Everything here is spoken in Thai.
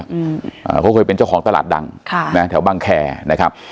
อืมอ่าเขาเคยเป็นเจ้าของตลาดดังค่ะนะแถวบังแคร์นะครับ